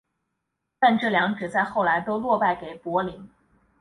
但这两者在后来都落败给柏林。